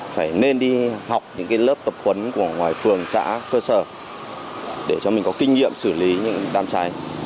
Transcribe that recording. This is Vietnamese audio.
phải nên đi học những lớp tập huấn của ngoài phường xã cơ sở để cho mình có kinh nghiệm xử lý những đám cháy